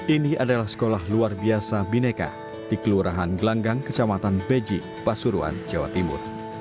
ini adalah sekolah luar biasa bineka di kelurahan gelanggang kecamatan beji pasuruan jawa timur